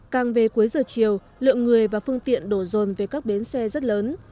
càng về cuối giờ chiều lượng người và phương tiện đổ rồn về các bến xe rất lớn